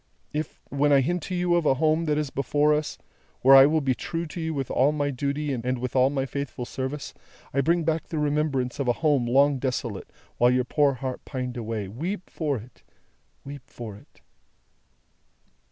If, when I hint to you of a Home that is before us, where I will be true to you with all my duty and with all my faithful service, I bring back the remembrance of a Home long desolate, while your poor heart pined away, weep for it, weep for it!"